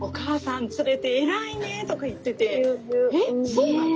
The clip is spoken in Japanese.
そうなの？」